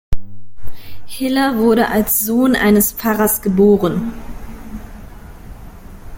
Hiller wurde als Sohn eines Pfarrers geboren.